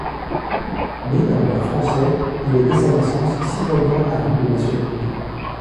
Né d’un père français, il est dès sa naissance citoyen à double nationalité.